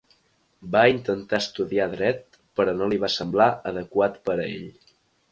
Va intentar estudiar dret, però no li va semblar adequat per a ell.